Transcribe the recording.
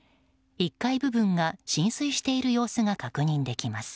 １階部分が浸水している様子が確認できます。